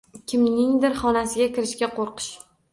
Kimningdir xonasiga kirishga qoʻrqish